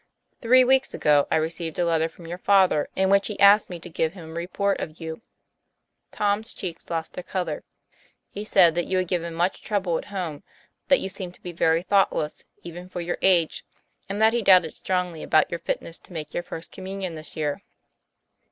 Three weeks ago, I received a letter from your father in which he asked me to give him a report of you." Tom's cheeks lost their color. '* He said that you had given much trouble at home, that you seemed to be very thoughtless even for your age, and that he doubted strongly about your fitness to make your First Communion this year."